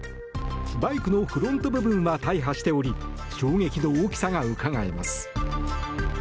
バイクのフロント部分は大破しており衝撃の大きさがうかがえます。